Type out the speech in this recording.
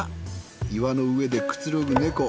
岩の上でくつろぐ猫。